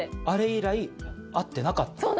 あれ以来会ってなかった？